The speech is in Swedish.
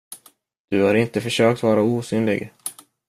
Du har inte försökt vara osynlig.